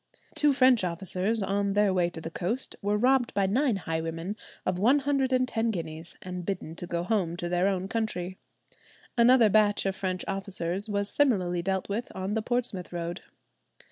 Two French officers (on their way to the coast) were robbed by nine highwaymen of one hundred and ten guineas, and bidden to go home to their own country. Another batch of French officers was similarly dealt with on the Portsmouth road.